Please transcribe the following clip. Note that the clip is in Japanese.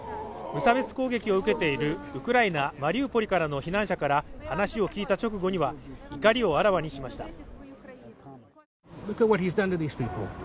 無差別攻撃を受けているウクライナ、マリウポリからの避難者から話を聞いた直後には、怒りをあらわにしました。